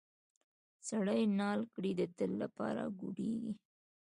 سړی نال کړې د تل لپاره ګوډیږي.